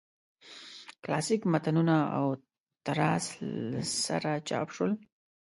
کلاسیک متنونه او تراث له سره چاپ شول.